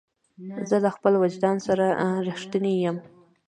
زه له خپل وجدان سره رښتینی یم.